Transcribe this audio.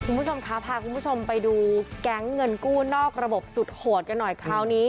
คุณผู้ชมคะพาคุณผู้ชมไปดูแก๊งเงินกู้นอกระบบสุดโหดกันหน่อยคราวนี้